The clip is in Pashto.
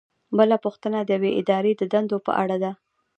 بله پوښتنه د یوې ادارې د دندو په اړه ده.